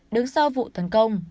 đứng sau vụ tấn công